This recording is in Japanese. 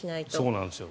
そうなんですよ。